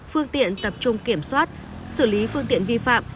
phương tiện tập trung kiểm soát xử lý phương tiện vi phạm